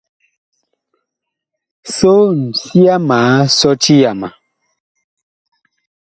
Soon, sia ma sɔti yama.